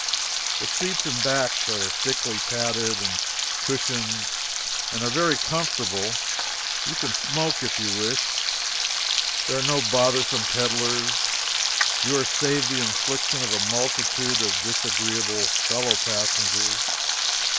The seats and backs are thickly padded and cushioned and are very comfortable; you can smoke if you wish; there are no bothersome peddlers; you are saved the infliction of a multitude of disagreeable fellow passengers.